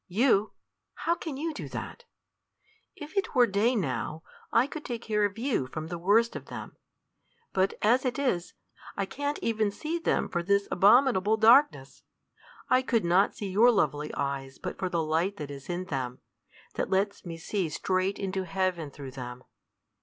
"You! How can you do that? If it were day now, I could take care of you from the worst of them. But as it is, I can't even see them for this abominable darkness. I could not see your lovely eyes but for the light that is in them; that lets me see straight into heaven through them.